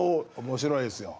面白いですよ。